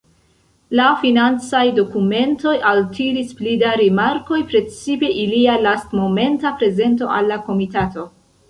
La financaj dokumentoj altiris pli da rimarkoj, precipe ilia lastmomenta prezento al la komitato.